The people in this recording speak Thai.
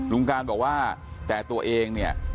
ลุงการบอกว่าแต่ตัวเองเนี่ย